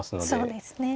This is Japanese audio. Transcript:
そうですね。